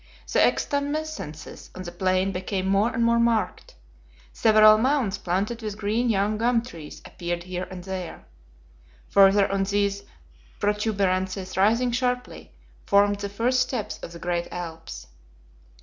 The extumescences on the plain became more and more marked. Several mounds planted with green young gum trees appeared here and there. Further on these protuberances rising sharply, formed the first steps of the great Alps.